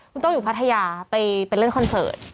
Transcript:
คุณโต้อยู่พัทยาไปเล่นคอนเสิร์ต